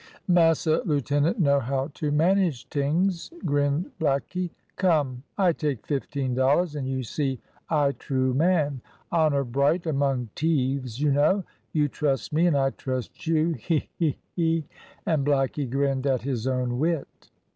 "Massa lieutenant know how to manage tings," grinned blackie. "Come, I take fifteen dollars, and you see I true man. Honour bright among teves, you know; you trust me and I trust you he! he! he!" and blackie grinned at his own wit.